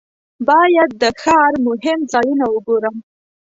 باید د ښار مهم ځایونه وګورم.